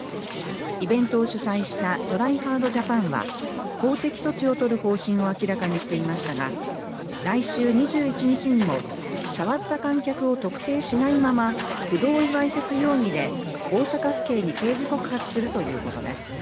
イベントを主催したＴｒｙＨａｒｄＪａｐａｎは法的措置を取る方針を明らかにしていましたが来週２１日にも触った観客を特定しないまま不同意わいせつ容疑で大阪府警に刑事告発するということです